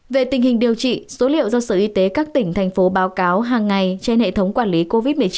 về tình hình điều trị số liệu do sở y tế các tỉnh thành phố báo cáo hàng ngày trên hệ thống quản lý covid một mươi chín